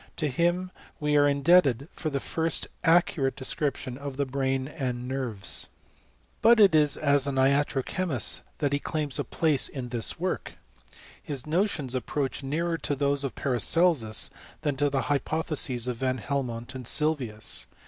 To him we are indebted for the first accurate description of the brain and nerves. But it is as an iatro chemist that he claims a place in this work. His notions approach nearer to those of Paracelsus than to the hypotheses of Van Helmont and Sylvius.